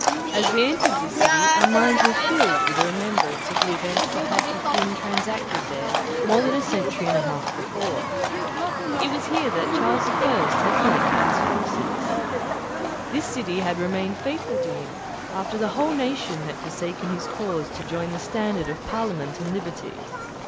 As we entered this city, our minds were filled with the remembrance of the events that had been transacted there more than a century and a half before. It was here that Charles I. had collected his forces. This city had remained faithful to him, after the whole nation had forsaken his cause to join the standard of Parliament and liberty.